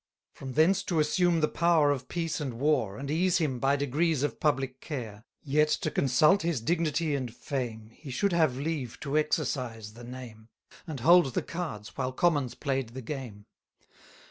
From thence to assume the power of peace and war, 230 And ease him, by degrees, of public care. Yet, to consult his dignity and fame, He should have leave to exercise the name, And hold the cards, while commons play'd the game.